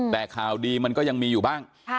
แต่ข่าวดีมันก็ยังมีอยู่บ้าง